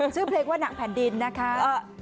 ชื่อเพลงว่าหนังแผ่นดินนะคะ